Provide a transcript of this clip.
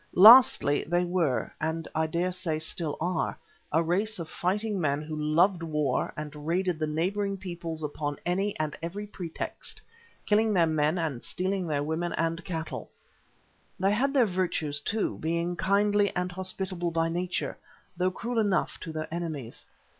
Lastly, they were, and I dare say still are, a race of fighting men who loved war and raided the neighbouring peoples upon any and every pretext, killing their men and stealing their women and cattle. They had their virtues, too, being kindly and hospitable by nature, though cruel enough to their enemies.